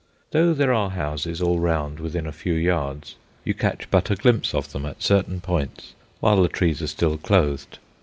Though there are houses all round within a few yards, you catch but a glimpse of them at certain points while the trees are still clothed.